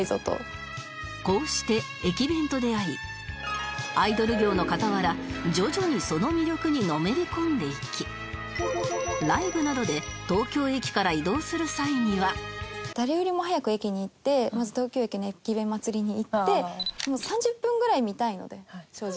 こうして駅弁と出会いアイドル業の傍ら徐々にその魅力にのめり込んでいきライブなどで誰よりも早く駅に行ってまず東京駅の駅弁屋祭に行って３０分ぐらい見たいので正直。